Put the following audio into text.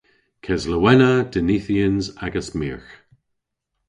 Keslowena dinythyans agas myrgh.